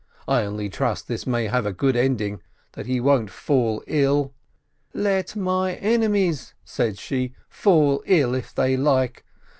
I only trust this may have a good ending, that he won't fall ill." — "Let my enemies," said she, "fall ill, if they like.